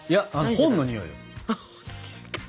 本のにおいか。